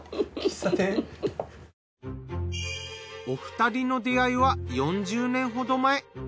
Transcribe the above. お二人の出会いは４０年ほど前。